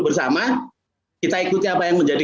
bersama kita ikuti apa yang menjadi